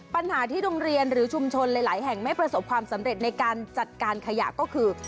ปัญหาที่โรงเรียนหรือชุมชนหลายแห่งไม่ประสบความสำเร็จในการจัดการขยะก็คือ